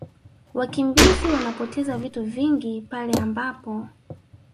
Wakimbizi wanapoteza vitu vingi pale ambapo